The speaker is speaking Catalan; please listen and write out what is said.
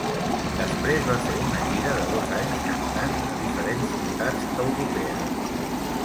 Després va fer una gira de dos anys cantant a diferents ciutats europees.